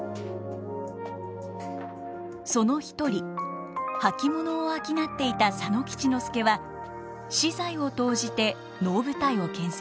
その一人履物を商っていた佐野吉之助は私財を投じて能舞台を建設。